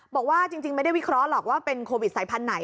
บอกว่าจริงไม่ได้วิเคราะห์หรอกว่าเป็นโควิดสายพันธุ์ไหน